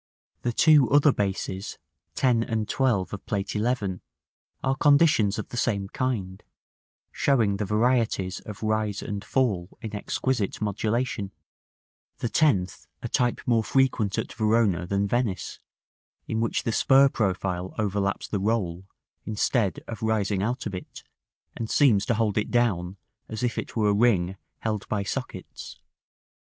The two other bases, 10 and 12 of Plate XI., are conditions of the same kind, showing the varieties of rise and fall in exquisite modulation; the 10th, a type more frequent at Verona than Venice, in which the spur profile overlaps the roll, instead of rising out of it, and seems to hold it down, as if it were a ring held by sockets.